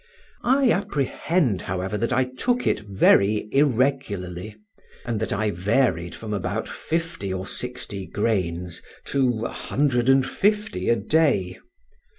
I apprehend, however, that I took it very irregularly, and that I varied from about fifty or sixty grains to 150 a day.